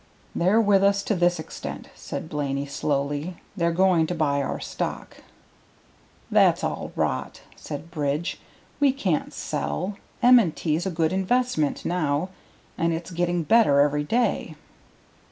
"They're with us to this extent," said Blaney, slowly. "They're going to buy our stock." "That's all rot," said Bridge. "We can't sell. M. & T.'s a good investment now, and it's getting better every day."